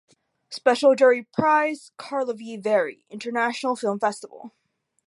Special Jury Prize - Karlovy Vary International Film Festival.